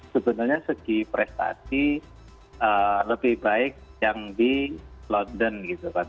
sebenarnya segi prestasi lebih baik yang di london gitu kan